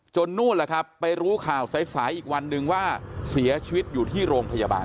นู่นแหละครับไปรู้ข่าวสายสายอีกวันนึงว่าเสียชีวิตอยู่ที่โรงพยาบาล